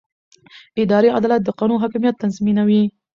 اداري عدالت د قانون حاکمیت تضمینوي.